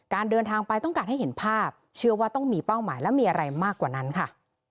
เดินทางไปต้องการให้เห็นภาพเชื่อว่าต้องมีเป้าหมายและมีอะไรมากกว่านั้นค่ะ